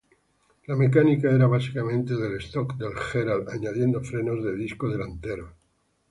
La mecánica era básicamente del stock del Herald añadiendo frenos de disco delanteros.